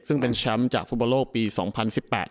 ซึ่งเป็นแชมป์จากฟุบัโลกเปียว๒๐๑๘